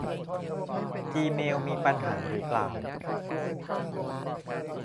จีเมลมีปัญหาหรือเปล่า